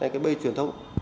cái bây truyền thông